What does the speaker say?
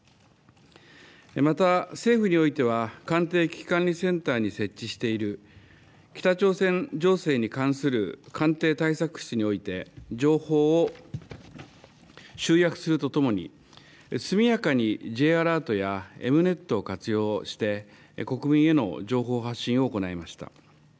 また、政府においては、官邸危機管理センターに設置している北朝鮮情勢に関する官邸対策室において情報を集約するとともに、速やかにＪアラートやＥｍ−Ｎｅｔを活用して、国民への情報発信を行いました。